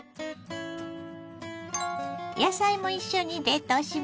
野菜も一緒に冷凍しましょ。